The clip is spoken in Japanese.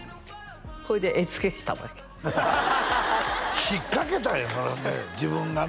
これで餌付けしたわけ引っかけたんやそれで自分がね